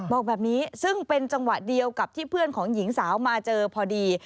บอกแบบนี้ซึ่งเป็นจังหวะเดียวกับที่เพื่อนของหญิงสาวมาเจอพอดี